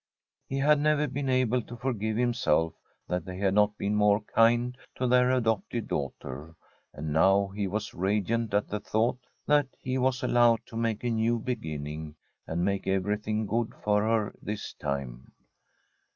He had never been able to forgive himself that they had not been more kind to their adopted daughter. And now he was radiant at the thought that he was allowed to make a new beginning and make evoTthing good for her this time.